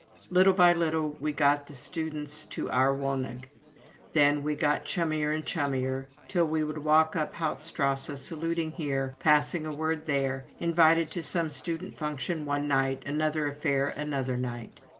Little by little we got the students to our Wohnung; then we got chummier and chummier, till we would walk up Haupt Strasse saluting here, passing a word there, invited to some student function one night, another affair another night.